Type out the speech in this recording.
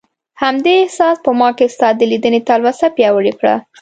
همدې احساس په ما کې ستا د لیدنې تلوسه پیاوړې کړه.